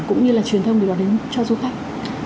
cũng như là truyền thông để đón đến cho du khách